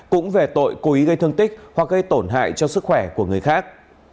cũng về tội cố ý gây thương tích hoặc gây tổn hại cho sức khỏe của người khác